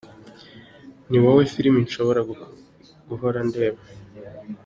Ni wowe Filimi nshobora guhora ndeba.